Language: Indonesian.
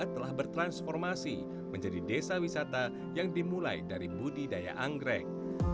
telah bertransformasi menjadi desa wisata yang dimulai dari budidaya anggrek